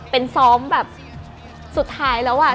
เป็นซ้อมแบบสุดท้ายล่ะว่า